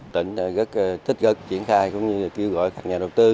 tỉnh rất thích cực triển khai cũng như kêu gọi các nhà đầu tư